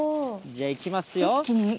じゃあ、いきますよ。